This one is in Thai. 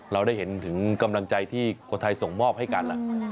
เราได้เห็นถึงกำลังใจที่คนไทยส่งมอบให้กัน